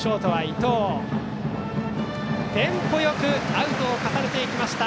テンポよくアウトを重ねていきました。